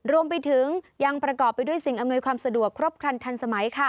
รวมไปถึงยังประกอบไปด้วยสิ่งอำนวยความสะดวกครบครันทันสมัยค่ะ